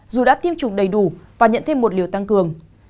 dù đã tiêm chủng đầy đủ và nhận thêm một liều tăng cường